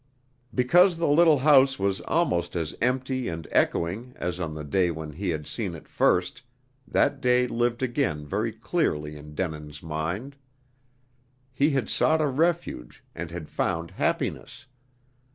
Because the little house was almost as empty and echoing as on the day when he had seen it first, that day lived again very clearly in Denin's mind. He had sought a refuge, and had found happiness.